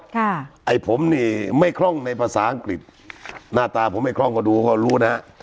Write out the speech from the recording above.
ไอ้ผมนี่ไม่คล่องในภาษาอังกฤษหน้าตาผมไม่คล่องก็ดูก็รู้นะฮะ